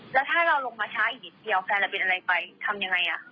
แล้วถ้าเราลงมาช้าอีกนิดเดียวแฟนเราเป็นอะไรไปทำยังไง